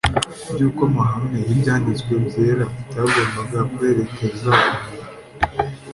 bw'uko amahame y'Ibyanditswe byera yagombaga kwerekeza umuntu.